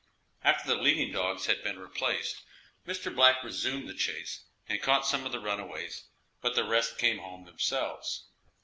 After the leading dogs had been replaced, Mr. Black resumed the chase, and caught some of the runaways, but the rest came home themselves.